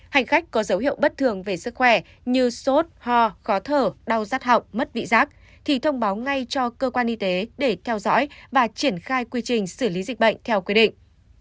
hành khách có dấu hiệu bất thường về sức khỏe như sốt ho khó thở đau rắt họng mất vị giác thì thông báo ngay cho cơ quan y tế để theo dõi và triển khai quy trình xử lý dịch bệnh theo quy định